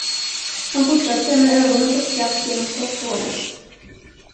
Han fortsatte med ögonen på skaft genom skotthålet.